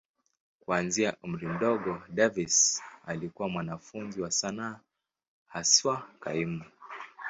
Kuanzia umri mdogo, Davis alikuwa mwanafunzi wa sanaa, haswa kaimu.